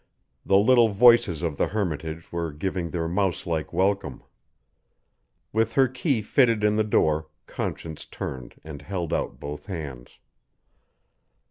The little voices of the hermitage were giving their mouselike welcome. With her key fitted in the door, Conscience turned and held out both hands.